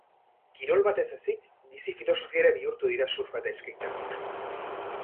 Kirola bat ez ezik, bizi filosofia ere bihurtu dira surfa eta skaterra.